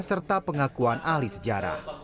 serta pengakuan ahli sejarah